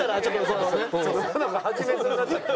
なんか始めそうになっちゃって。